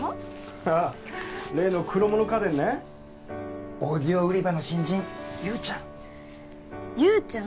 ああ例の黒物家電ねオーディオ売り場の新人優ちゃん優ちゃん？